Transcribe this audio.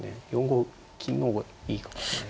４五金の方がいいかも。